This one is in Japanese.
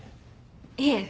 いえ。